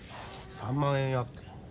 ３万円やって。